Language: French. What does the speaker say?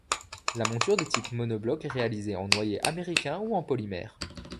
La monture de type monobloc est réalisée en noyer américain ou en polymère.